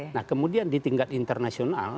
nah kemudian di tingkat internasional